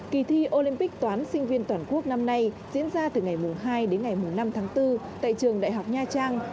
kỳ thi olympic toán sinh viên toàn quốc năm nay diễn ra từ ngày hai đến ngày năm tháng bốn tại trường đại học nha trang